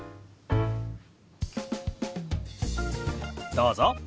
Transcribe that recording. どうぞ。